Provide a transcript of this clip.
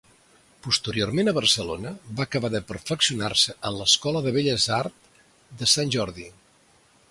Posteriorment a Barcelona va acabar de perfeccionar-se en l'Escola de Belles Art de Sant Jordi.